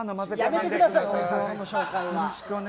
やめてくださいよゴリエさん、その紹介！